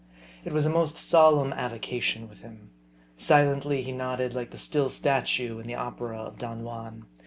It was a most solemn avocation with him. Silently he nodded like the still statue in the opera of Don Juan.